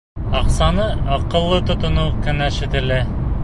Аҡсаны аҡыллы тотоноу кәңәш ителә.